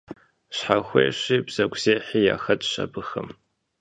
Щхьэхуещи бзэгузехьи яхэтщ абыхэм.